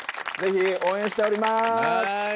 ぜひ応援しております。